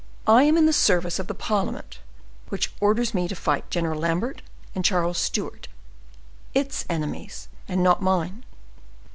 I am in the service of the parliament, which orders me to fight General Lambert and Charles Stuart—its enemies, and not mine.